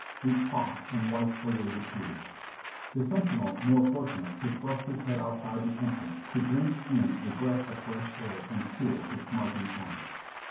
We coughed and wiped away the tears. The sentinel, more fortunate, could thrust his head THE THIRD ESCAPE 511 outside the entrance to drink in a breath of fresh air and cool his smarting eyes.